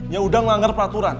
yaudah ngelanggar peraturan